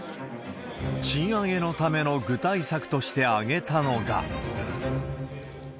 賃上げのための具体策として挙げたのが。